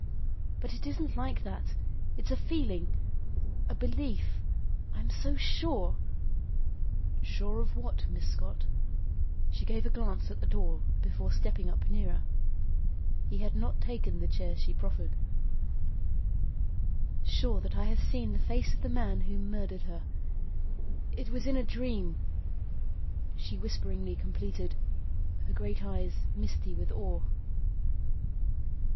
But it isn't like that. It's a feeling a belief. I'm so sure " "Sure of what, Miss Scott?" She gave a glance at the door before stepping up nearer. He had not taken the chair she preferred. "Sure that I have seen the face of the man who murdered her. It was in a dream," she whisperingly completed, her great eyes misty with awe.